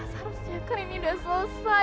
seharusnya kan ini sudah selesai